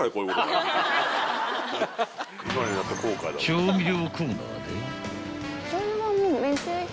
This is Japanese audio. ［調味料コーナーで］